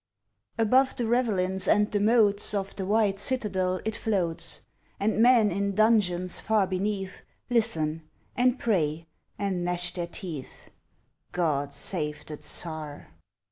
Above the ravelins and the moats Of the white citadel it floats; And men in dungeons far beneath Listen, and pray, and gnash their teeth "God save the Tsar!"